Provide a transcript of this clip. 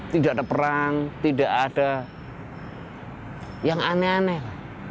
tidak ada perang tidak ada yang aneh aneh lah